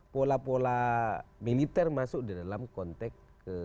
pola pola militer masuk dalam konteks